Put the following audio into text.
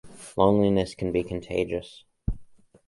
Loneliness can be contagious.